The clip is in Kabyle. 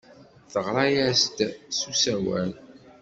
Teɣra-as-d s usawal.